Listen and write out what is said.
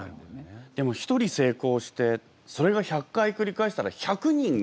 でも一人成功してそれが１００回繰り返したら１００人が。